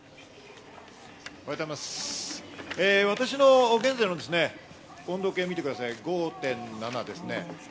私の現在の温度計を見てください、５．７です。